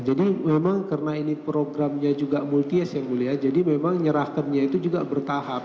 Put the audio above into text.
jadi memang karena ini programnya juga multi yes yang mulia jadi memang menyerahkannya itu juga bertahap